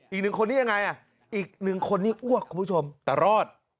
อีก๑คนนี้ยังไงอีก๑คนนี้อ้วกคุณผู้ชมแต่รอด